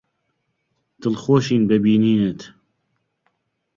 دڵخۆشین بە بینینت.